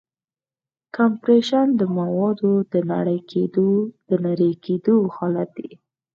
کمپریشن د موادو د نری کېدو حالت دی.